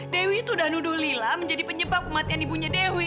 dewi tuh udah nuduh lila menjadi penyebab kematian ibunya dewi